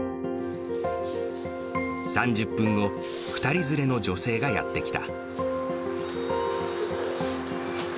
３０分後、２人連れの女性がやって来た。